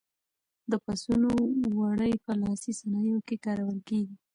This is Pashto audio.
د پسونو وړۍ په لاسي صنایعو کې کارول کېږي.